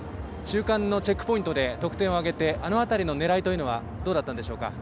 中間のチェックポイントで得点を挙げて、あのあたりの狙いはどうだったのでしょうか？